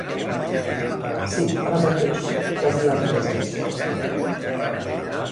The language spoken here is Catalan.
"Sí, ara mateix", vaig dir amb presses.